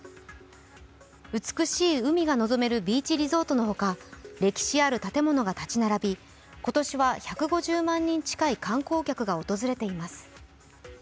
美しい海がのぞめるビーチリゾートのほか、歴史ある建物が建ち並び今年は１５０万人近い観光客が訪れています。